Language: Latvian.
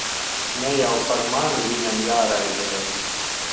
Ne jau par mani viņam jāraizējas.